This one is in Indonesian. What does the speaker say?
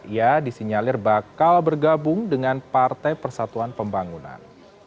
ia disinyalir bakal bergabung dengan partai persatuan pembangunan